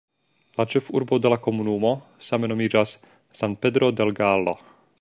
La ĉefurbo de la komunumo same nomiĝas "San Pedro del Gallo".